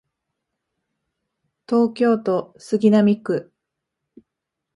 東京都杉並区